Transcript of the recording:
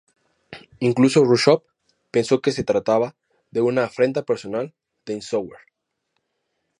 Incluso Jrushchov pensó que se trataba de una "afrenta personal" de Eisenhower.